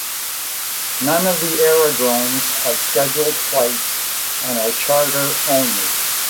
None of the aerodromes have scheduled flights and are charter only.